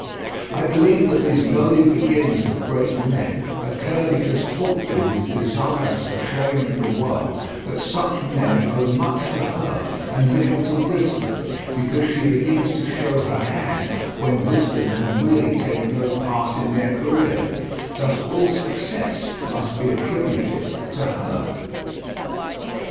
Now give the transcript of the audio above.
I believe that these lowly beginnings of great men occur because Fortune is desirous of showing to the world that such men owe much to her and little to wisdom, because she begins to show her hand when wisdom can really take no part in their career: thus all success must be attributed to her.